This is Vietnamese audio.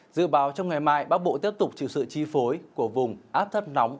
dự báo trong ngày mai bắc bộ tiếp tục chịu sự chi phối của vùng áp thấp nóng